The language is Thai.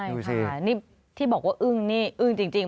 ใช่ค่ะนี่ที่บอกว่าอึ้งนี่อึ้งจริง